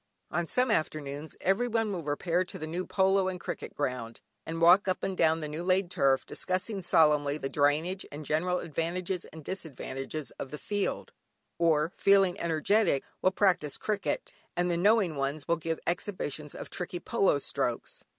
On some afternoons everyone will repair to the new polo and cricket ground, and walk up and down the new laid turf, discussing solemnly the drainage, and general advantages and disadvantages of the position; or, feeling energetic, will practise cricket, and the knowing ones will give exhibitions of tricky polo strokes.